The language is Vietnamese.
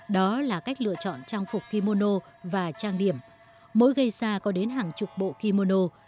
đó là cách lựa chọn trang phục kimono và trang điểm mỗi gây ra có đến hàng chục bộ kimono